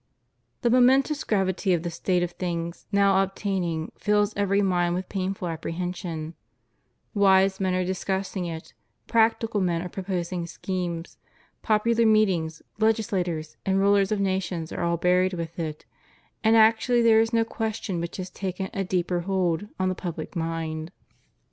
The momentous gravity of the state of things now obtaining fills every mind with painful apprehension; wise men are discussing it; practical men are proposing schemes; popular meetings, legislatures, and rulers of nations are all busied with it — and actually there is no question which has taken a deeper hold on the public mind.